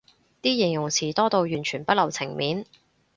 啲形容詞多到完全不留情面